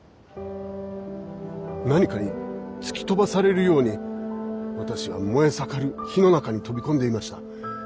何かに突き飛ばされるように私は燃え盛る火の中に飛び込んでいました。